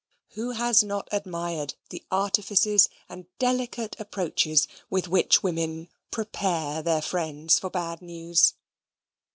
Who has not admired the artifices and delicate approaches with which women "prepare" their friends for bad news?